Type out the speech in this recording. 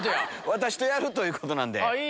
私とやるということなんで。